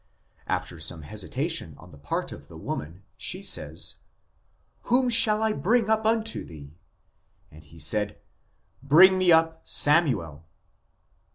After some hesitation on the part of the woman, she says : Whom shall I bring up unto thee ? And he said, Bring me up Samuel."